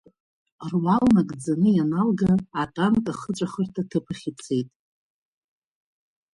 Руал нагӡаны ианалга, атанк ахыҵәахырҭа ҭыԥ ахь ицеит.